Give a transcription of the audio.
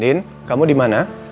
din kamu dimana